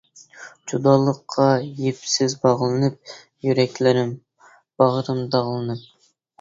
جۇدالىققا يىپسىز باغلىنىپ، يۈرەكلىرىم، باغرىم داغلىنىپ.